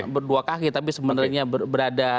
berdua kaki tapi sebenarnya berada